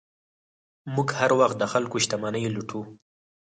موږ هر وخت د خلکو شتمنۍ لوټو.